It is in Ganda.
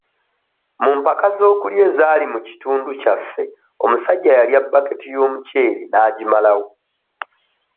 Mu mpaka z'okulya ezaali mu kitundu kyaffe omusajja yalya baketi y'omuceere n'agimalawo